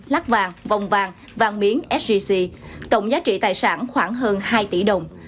lát vàng vòng vàng vàng miếng sgc tổng giá trị tài sản khoảng hơn hai tỷ đồng